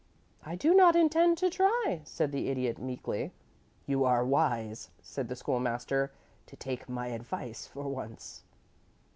"I do not intend to try," said the Idiot, meekly. "You are wise," said the School master, "to take my advice for once."